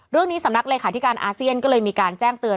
เรื่องนี้สำนักเลยค่ะอาเซียนก็เลยมีการแจ้งเตือน